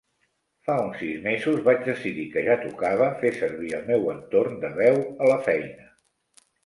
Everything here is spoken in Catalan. Fa un sis mesos vaig decidir que ja tocava fer servir el meu entorn de veu a la feina.